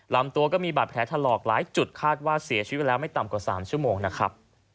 ลำตัวก็มีบาดแผลถลอกหลายจุดคาดว่าเสียชีวิตไปแล้วไม่ต่ำกว่า๓ชั่วโมงนะครับ